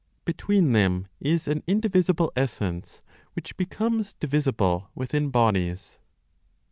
BETWEEN THEM IS AN INDIVISIBLE ESSENCE WHICH BECOMES DIVISIBLE WITHIN BODIES.